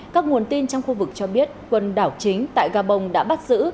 các nguồn tin trong khu vực cho biết quân đảo chính tại gabon đã bắt giữ